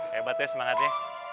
hebat ya semangatnya